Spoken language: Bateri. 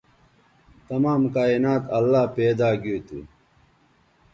تمام کائنات اللہ پیدا گیو تھو